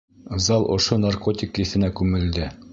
Зал ошо наркотик еҫенә күмелде.